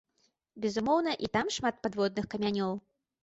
Безумоўна, і там шмат падводных камянёў.